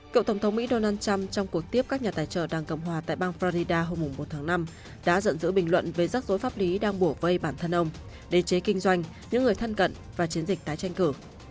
cựu tổng thống mỹ donald trump trong cuộc tiếp các nhà tài trợ đảng cộng hòa tại bang florida hôm một tháng năm đã giận dữ bình luận về rắc rối pháp lý đang bổ vây bản thân ông đế chế kinh doanh những người thân cận và chiến dịch tái tranh cử